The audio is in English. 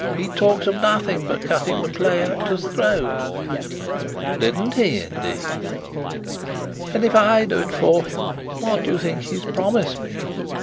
He talks of nothing but cutting the play actor's throat." Didn't he, indeed? "And if I do it for him, what do you think he's promised me?"